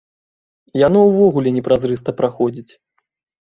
Яно ўвогуле непразрыста праходзіць.